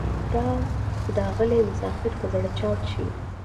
دا داغلی مسافر به زره چاود شي